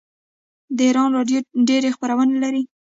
د ایران راډیو ډیرې خپرونې لري.